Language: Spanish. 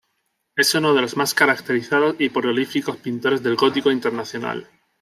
Es uno de los más caracterizados y prolíficos pintores del gótico internacional.